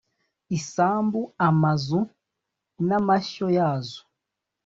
Isambu amazu n’amashyo yazo